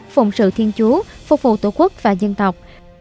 phụng sự thiên chúa phục vụ tổ quốc và dân tộc